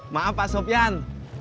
maaf pak sofyan